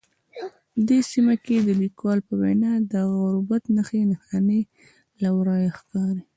دې سیمه کې د لیکوال په وینا د غربت نښې نښانې له ورایه ښکاري